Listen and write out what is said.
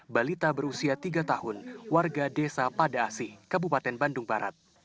balita berusia tiga tahun warga desa pada asi kabupaten bandung barat